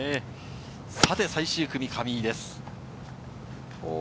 最終組の上井です。